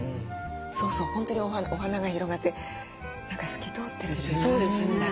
そうそう本当にお花が広がって何か透き通ってるみたいなそんな感じ。